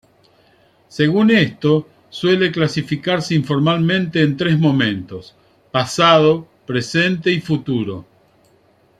Según esto, suelen clasificarse informalmente en tres momentos: pasado, presente y futuro.